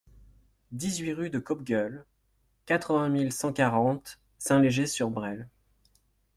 dix-huit rue de Coppegueule, quatre-vingt mille cent quarante Saint-Léger-sur-Bresle